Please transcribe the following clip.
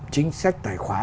chính sách tài khoá